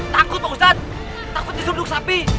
takut pak ustadz takut disuduk sapi